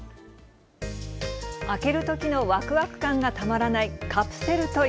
開けるときのわくわく感がたまらないカプセルトイ。